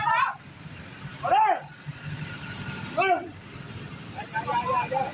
เฮียบเลย